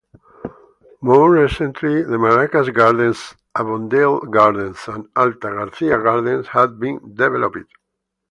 More recently, the Maracas Gardens, Avondale Gardens and Alta Garcia Gardens have been developed.